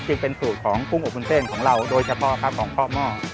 จึงเป็นสูตรของกุ้งอบวุ้นเส้นของเราโดยเฉพาะครับของพ่อหม้อ